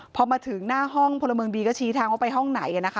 พอมาถึงหน้าห้องพลเมืองดีก็ชี้ทางว่าไปห้องไหนนะคะ